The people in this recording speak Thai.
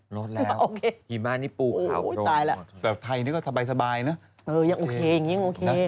รถแล้วหิมะนี่ปูขาวตัวแต่ไทยนี่ก็สบายเนอะยังโอเคยังโอเค